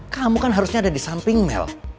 kamu kan harusnya ada di samping mel